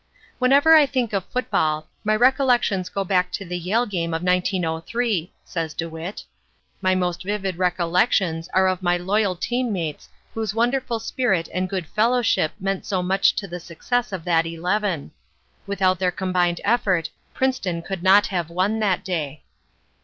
"Whenever I think of football my recollections go back to the Yale game of 1903," says DeWitt. "My most vivid recollections are of my loyal team mates whose wonderful spirit and good fellowship meant so much to the success of that Eleven. Without their combined effort Princeton could not have won that day.